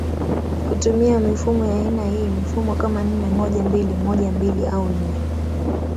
kutumia mifumo ya aina hii mifumo kama nne moja mbili moja mbili au nne